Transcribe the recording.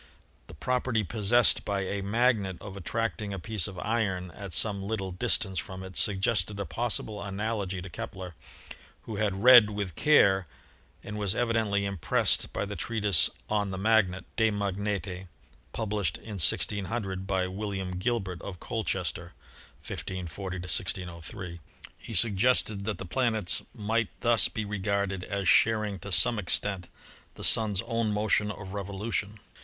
The property possessed by a magnet of attracting a piece of iron at some little distance from it suggested a possible analogy to Kepler, who had read with care and was evidently impressed by the treatise 'On the Magnet' ('De Magnete'), published in 1600 by Will iam Gilbert of Colchester (1 540 1603). He suggested that the planets might thus be regarded as sharing to some extent the Sun's own motion of revolution.